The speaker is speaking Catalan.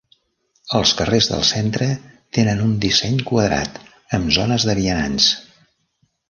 Els carrers del centre tenen un disseny quadrat, amb zones de vianants.